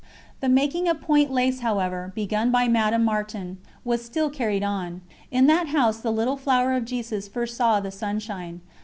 The making of point lace, however, begun by Madame Martin, was still carried on. In that house the "Little Flower of Jesus" first saw the sunshine.